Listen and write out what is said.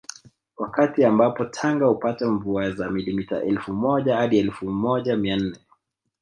Wakati ambapo Tanga hupata mvua za millimita elfu moja hadi elfu moja mia nne